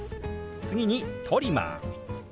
次に「トリマー」。